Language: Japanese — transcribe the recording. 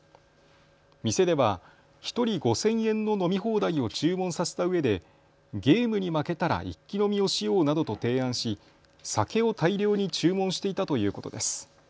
店では１人５０００円の飲み放題を注文させたうえでゲームに負けたら一気飲みをしようなどと提案し、酒を大量に注文していたということです。